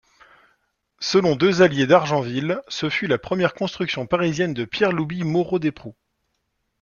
Selon Dezallier d'Argenville, ce fut la première construction parisienne de Pierre-Louis Moreau-Desproux.